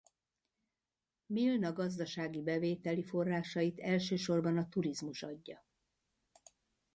Milna gazdasági bevételi forrásit elsősorban a turizmus adja.